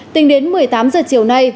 tính đến một mươi tám giờ chiều nay